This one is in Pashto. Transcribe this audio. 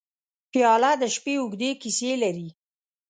پیاله د شپې اوږدې کیسې لري.